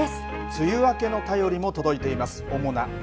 梅雨明けの便りも届いています。